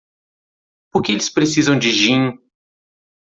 Por que eles precisam de gin?